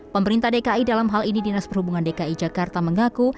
pemerintah dki dalam hal ini dinas perhubungan dki jakarta mengaku